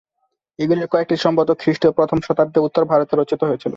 এগুলির কয়েকটি সম্ভবত খ্রিস্টীয় প্রথম শতাব্দীতে উত্তর ভারতে রচিত হয়েছিল।